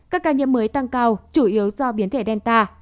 các ca nhiễm mới tăng cao chủ yếu do biến thể delta